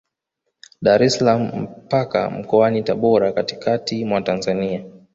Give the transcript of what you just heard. Dar es salaam mpaka Mkoani Tabora katikati mwa Tanzania